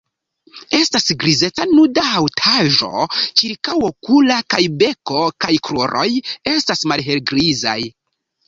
Estas grizeca nuda haŭtaĵo ĉirkaŭokula kaj beko kaj kruroj estas malhelgrizaj.